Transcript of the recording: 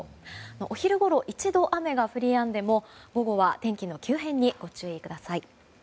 お昼ごろ、一度雨が降りやんでも午後は天気の急変にご注意ください。